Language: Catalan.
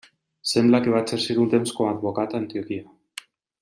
Sembla que va exercir un temps com advocat a Antioquia.